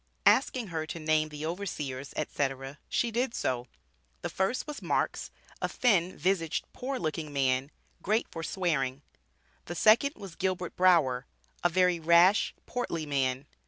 Asking her to name the overseers, etc., she did so. The first was "Marks, a thin visaged, poor looking man, great for swearing." The second was "Gilbert Brower, a very rash, portly man."